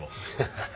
ハハハ。